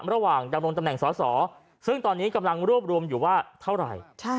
ระหว่างดำรงตำแหน่งสอสอซึ่งตอนนี้กำลังรวบรวมอยู่ว่าเท่าไหร่